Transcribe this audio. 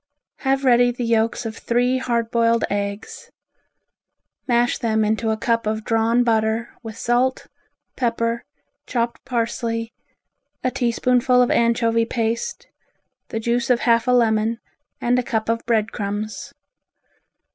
Have ready the yolks of three hard boiled eggs. Mash them into a cup of drawn butter with salt, pepper, chopped parsley, a teaspoonful of anchovy paste, the juice of half a lemon and a cup of bread crumbs.